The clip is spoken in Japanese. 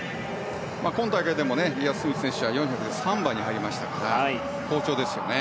今大会でもリア・スミス選手は４００で３番に入りましたから好調ですよね。